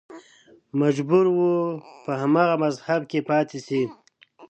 مجبور و په هماغه مذهب کې پاتې شي